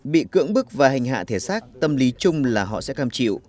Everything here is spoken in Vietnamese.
bị cưỡng bức và hành hạ thế xác tâm lý chung là họ sẽ cam chịu